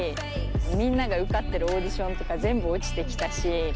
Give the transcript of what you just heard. みんなが受かってるオーディションとか全部落ちてきたし。